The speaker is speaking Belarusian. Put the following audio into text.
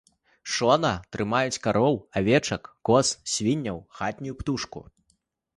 Шона трымаюць кароў, авечак, коз, свінняў, хатнюю птушку.